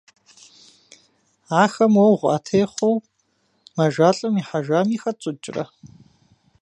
Ахэм уэгъу къатехъуэу мэжэщӀалӀэм ихьыжами, хэтщӀыкӀрэ?